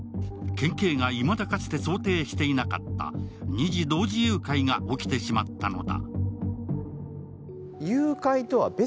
県警がいまだかつて想定していなかった二児同時誘拐が起きてしまったのだ。